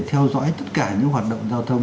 theo dõi tất cả những hoạt động giao thông